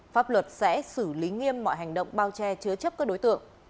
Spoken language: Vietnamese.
pháp luật sẽ xử lý nghiêm mọi hành động bao che chứa chấp các đối tượng